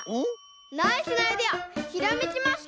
ナイスなアイデアひらめきました。